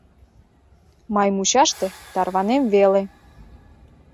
Май мучаште тарванем веле.